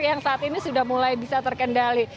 yang saat ini sudah mulai bisa terkendali